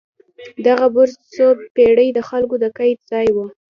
دغه برج څو پېړۍ د خلکو د قید ځای و.